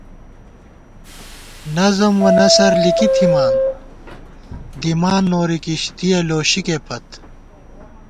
نظم و نثر لِکی تھِمان، دِمان نوری کِشتِیَہ لوشِکےپت